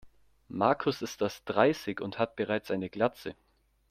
Markus ist erst dreißig und hat bereits eine Glatze.